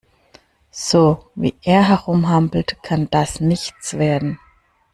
So, wie er herumhampelt, kann das nichts werden.